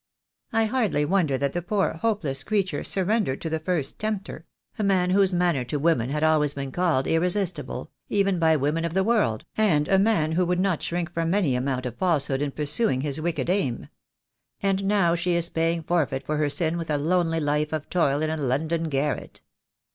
I hardly wonder that the poor, hopeless creature surrendered to the first tempter — a man whose manner to women had always been called irresistible, even by women of the world, and a man who would not shrink from any amount of falsehood in pur suing his wicked aim. And now she is paying forfeit for her sin with a lonely life of toil in a London garret.